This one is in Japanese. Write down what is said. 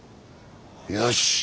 よし！